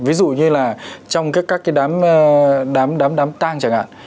ví dụ như là trong các cái đám tang chẳng hạn